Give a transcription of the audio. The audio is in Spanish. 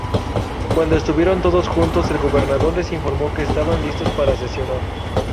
Cuando estuvieron todos juntos el gobernador les informo que estaban listos para sesionar.